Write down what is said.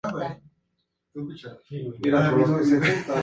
Ana, dónde estás?